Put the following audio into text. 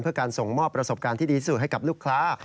เพื่อการส่งมอบประสบการณ์ที่ดีที่สุดให้กับลูกค้า